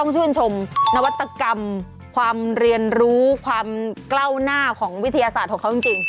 ชื่นชมนวัตกรรมความเรียนรู้ความกล้าวหน้าของวิทยาศาสตร์ของเขาจริง